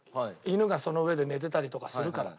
犬がその上で寝てたりとかするから。